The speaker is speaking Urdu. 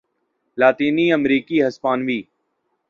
لاطینی امریکی ہسپانوی